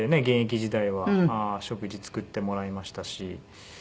現役時代は食事作ってもらいましたし。